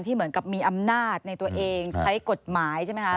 เหมือนกับมีอำนาจในตัวเองใช้กฎหมายใช่ไหมคะ